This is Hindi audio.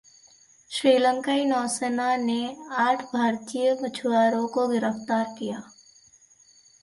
श्रीलंकाई नौसेना ने आठ भारतीय मछुआरों को गिरफ्तार किया